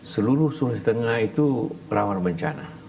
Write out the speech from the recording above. seluruh sulawesi tengah itu rawan bencana